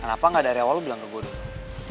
kenapa gak dari awal lo bilang ke gue dulu